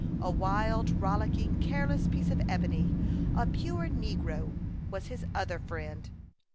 A wild, rollicking, careless piece of ebony, a pure negro, was his other friend.